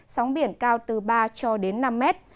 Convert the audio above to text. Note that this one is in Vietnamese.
sóng biển cao từ ba cho đến năm mét